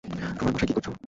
আমার বাসায় কি করছ?